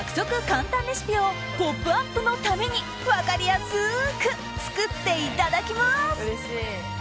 簡単レシピを「ポップＵＰ！」のために分かりやすく作っていただきます。